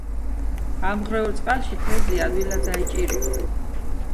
ამღვრეულ წყალში თევზი ადვილად დაიჭირება